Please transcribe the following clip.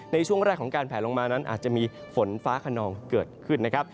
ในช่วงแรกของการแผลลงมานั้นอาจจะมีฝนฟ้าขนองเกิดขึ้นนะครับ